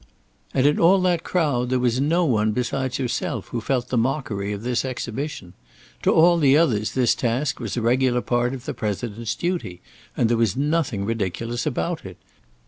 And in all that crowd there was no one besides herself who felt the mockery of this exhibition. To all the others this task was a regular part of the President's duty, and there was nothing ridiculous about it.